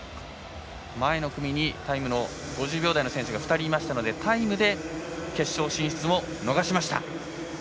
前の組に５０秒台の選手が２人いましたのでタイムで決勝進出も逃しました。